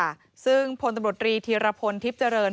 ค่ะซึ่งพลตำรวจรีธีรพลทิพย์เจริญ